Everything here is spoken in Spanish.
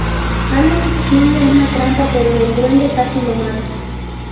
Alex tiende una trampa, pero el duende casi lo mata.